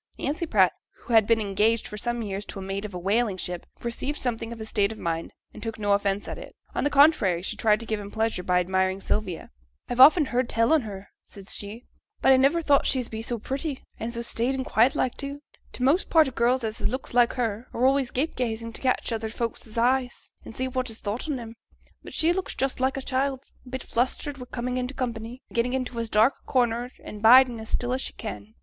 Nancy Pratt, who had been engaged for some years to a mate of a whaling ship, perceived something of his state of mind, and took no offence at it; on the contrary, she tried to give him pleasure by admiring Sylvia. 'I've often heerd tell on her,' said she, 'but I niver thought she's be so pretty, and so staid and quiet like too. T' most part o' girls as has looks like hers are always gape gazing to catch other folks's eyes, and see what is thought on 'em; but she looks just like a child, a bit flustered wi' coming into company, and gettin' into as dark a corner and bidin' as still as she can.